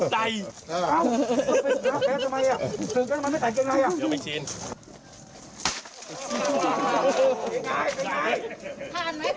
กันกันเลย